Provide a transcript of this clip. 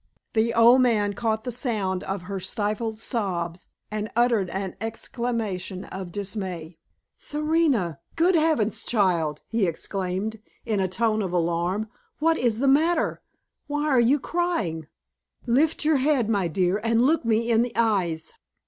The old man caught the sound of her stifled sobs, and uttered an exclamation of dismay. "Serena! Good heavens, child!" he exclaimed, in a tone of alarm, "what is the matter? Why are you crying? Lift your head, my dear, and look me in the eyes."